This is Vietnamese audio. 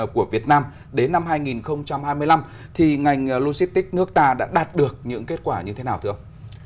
của việt nam đến năm hai nghìn hai mươi năm thì ngành logistics nước ta đã đạt được những kết quả như thế nào thưa ông